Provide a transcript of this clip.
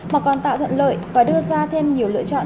mà còn tạo thuận lợi và đưa ra thêm nhiều lựa chọn